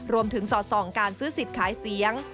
สอดส่องการซื้อสิทธิ์ขายเสียง